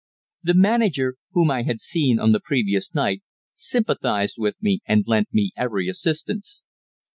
The manager, whom I had seen on the previous night, sympathized with me, and lent me every assistance.